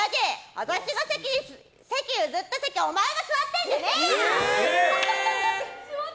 私が譲った席お前が座ってんじゃねえよ！